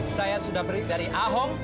saya sudah beri dari ahok